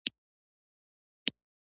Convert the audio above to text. جارو په لاس د دیوال خوا ته ولاړ وو.